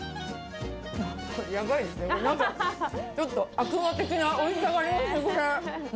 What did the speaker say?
やばいですね、これ、ちょっと、悪魔的なおいしさがあります、これ。